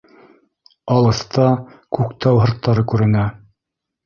Алыҫта Күктау һырттары күренә.